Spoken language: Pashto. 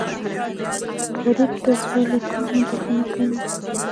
غریب د زړه له کومې بښنه کوي